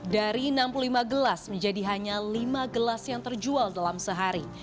dari enam puluh lima gelas menjadi hanya lima gelas yang terjual dalam sehari